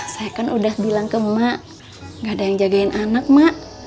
saya kan udah bilang ke emak gak ada yang jagain anak mak